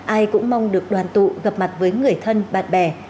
ai cũng mong được đoàn tụ gặp mặt với người thân bạn bè